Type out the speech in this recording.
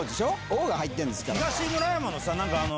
「王」が入ってるんですから。